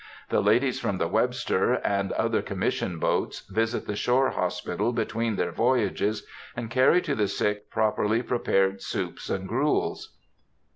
The ladies from the Webster, and other Commission boats, visit the shore hospital between their voyages, and carry to the sick properly prepared soups and gruels.